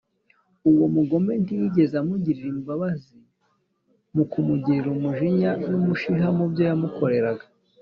uwo mugome ntiyigeze amugirira imbabazi mu kumugirira umujinya n’umushiha mu byo yamukoreraga